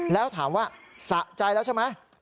แล้วถามว่าสะใจแล้วใช่ไหม